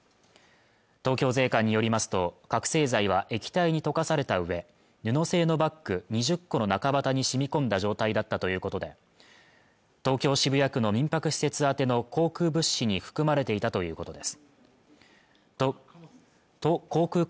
東京税関によりますと覚せい剤は液体に溶かされたうえ布製のバッグ２０個の中綿に染み込んだ状態だったということで東京・渋谷区の民泊施設宛の航空物資に含まれていたということです